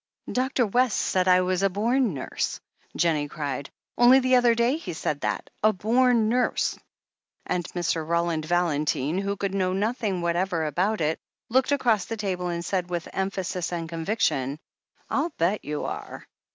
"Dr. West said I was a bom nurse!" Jennie cried. "Only the other day he said that. A bom nurse!" And Mr. Roland Valentine — who could know noth ing whatever about it — ^looked across the table, and said with emphasis and conviction : "I'll bet you are!"